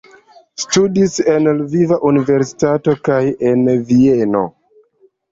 Studis en Lviva Universitato kaj en Vieno.